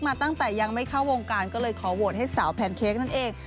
มาตั้งแต่ยังไม่เข้าวงการก็เลยขอโหวตให้สาวแพนเค้กนั่นเอง